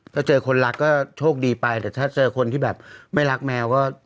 ถ้าเจอคนรักก็โชคดีไปแต่ถ้าเจอคนที่แบบไม่รักแมวก็